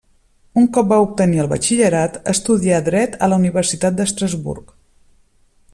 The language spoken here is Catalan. Un cop va obtenir el batxillerat, estudià dret a la Universitat d'Estrasburg.